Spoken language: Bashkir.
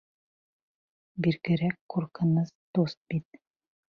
Бигерәк ҡурҡыныс тост бит.